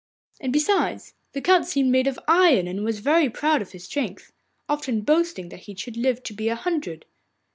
And besides, the Count seemed made of iron and was very proud of his strength, often boasting that he should live to be a hundred.